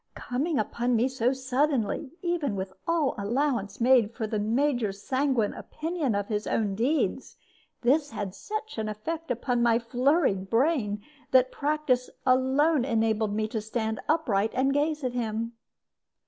Coming upon me so suddenly, even with all allowance made for the Major's sanguine opinion of his own deeds, this had such effect upon my flurried brain that practice alone enabled me to stand upright and gaze at him.